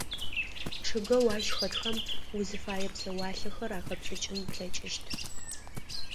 Чъыгэу ащ хэтхэм узыфае псэуалъэхэр ахэпшӏыкӏын плъэкӏыщт.